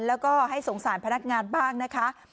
แล้วก็ให้สงสารพนักงานบ้างนะคะ